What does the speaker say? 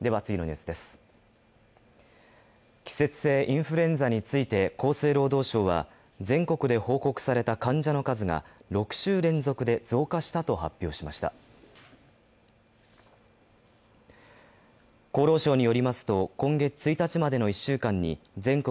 季節性インフルエンザについて厚生労働省は全国で報告された患者の数が６週連続で増加したと発表しました厚労省によりますと今月１日までの１週間に全国